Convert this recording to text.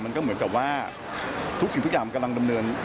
มันก็เหมือนกับว่าทุกสิ่งทุกอย่างกำลังดำเนิน